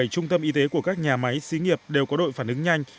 một mươi bảy trung tâm y tế của các nhà máy xí nghiệp đều có đội phản ứng nhanh